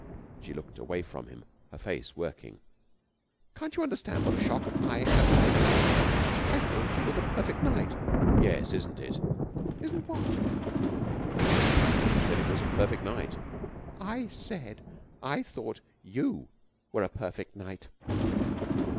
She looked away from him, her face working. "Can't you understand what a shock I have had? I thought you were the perfect knight." "Yes, isn't it?" "Isn't what?" "I thought you said it was a perfect night." "I said I thought you were a perfect knight."